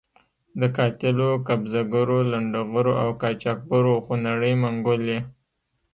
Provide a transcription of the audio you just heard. د قاتلو، قبضه ګرو، لنډه غرو او قاچاق برو خونړۍ منګولې.